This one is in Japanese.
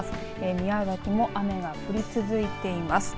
宮崎も雨が降り続いています。